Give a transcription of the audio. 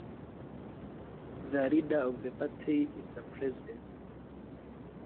The leader of the party is the President.